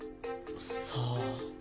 さあ？